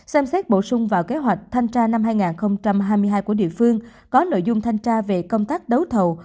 xem xét bổ sung vào kế hoạch thanh tra năm hai nghìn hai mươi hai của địa phương có nội dung thanh tra về công tác đấu thầu